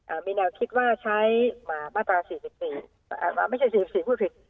เอ่อมีแนวคิดว่าใช้มาตราสี่สิบสี่เอ่อไม่ใช่สี่สี่สี่พูดผิด